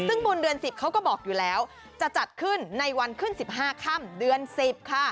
ซึ่งบุญเดือน๑๐เขาก็บอกอยู่แล้วจะจัดขึ้นในวันขึ้น๑๕ค่ำเดือน๑๐ค่ะ